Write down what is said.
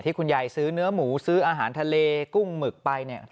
คุณยายซื้อเนื้อหมูซื้ออาหารทะเลกุ้งหมึกไป